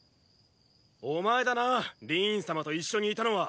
お前だなリーン様と一緒にいたのは！